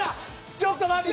ちょっと待って。